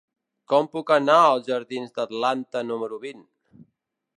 Com puc anar als jardins d'Atlanta número vint?